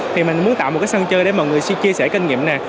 thì mình muốn tạo một cái sân chơi để mọi người chia sẻ kinh nghiệm này